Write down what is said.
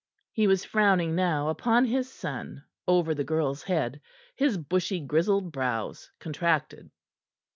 He was frowning now upon his son over the girl's head, his bushy, grizzled brows contracted.